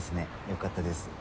よかったです。